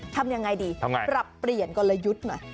ทำยังไงดีปรับเปลี่ยนกลยุทธ์หน่อย